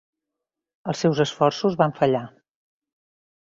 Els seus esforços van fallar.